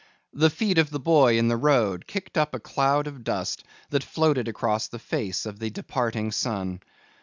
The feet of the boy in the road kicked up a cloud of dust that floated across the face of the departing sun.